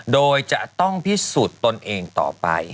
โดยจะต้องพิสูจน์ตนเองต่อไป